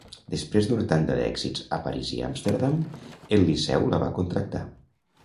Després d'una tanda d'èxits a París i Amsterdam, el Liceu la va contractar.